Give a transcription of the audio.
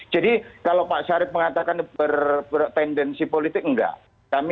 jadi kalau pak sarip mengatakan bertendensi politik tidak